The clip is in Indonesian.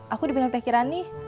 aku dibintang teh kirani